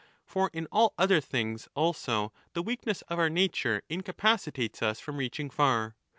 5 For in all other things also the weakness of our nature incapacitates us from reaching far.